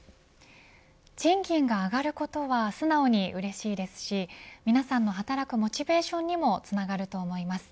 賃金が上がることは素直にうれしいですし皆さんの働くモチベーションにもつながると思います。